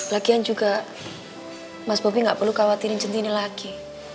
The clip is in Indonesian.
lagian juga mas bobby gak perlu khawatirin cinti ini lagi